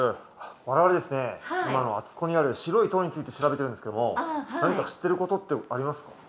我々ですね今あそこにある白い塔について調べてるんですけども何か知ってることってありますか？